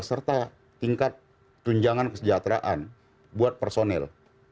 serta tingkat tunjangan kesejahteraan buat personil